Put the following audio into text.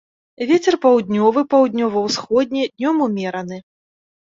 Вецер паўднёвы, паўднёва-ўсходні, днём умераны.